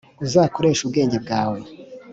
Uzakoreshe ubwenge bwawe